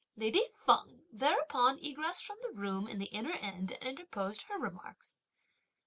Lady Feng thereupon egressed from the room in the inner end and interposed her remarks.